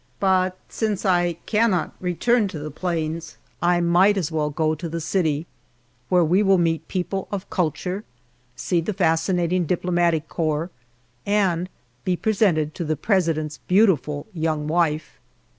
But since I cannot return to the plains, I might as well go to the city, where we will meet people of culture, see the fascinating Diplomatic Corps, and be presented to the President's beautiful young wife.